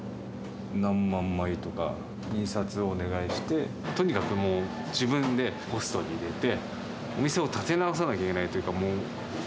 何万枚とか印刷をお願いして、とにかく自分でポストに入れて、お店を立て直さなきゃいけないというか、もう。